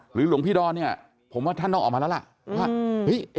หรือหลวงพี่ดอลผมว่าท่านน้องออกมาแล้วล่ะ